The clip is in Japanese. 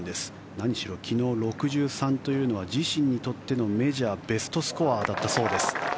何しろ昨日、６３というのは自身にとってのメジャーベストスコアだったそうです。